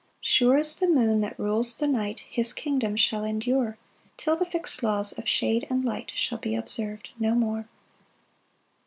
6 "Sure as the moon that rules the night "His kingdom shall endure, "Till the fix'd laws of shade and light "Shall be observ'd no more."